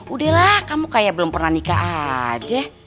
udahlah kamu kayak belum pernah nikah aja